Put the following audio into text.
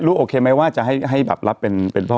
โอเคไหมว่าจะให้แบบรับเป็นพ่อ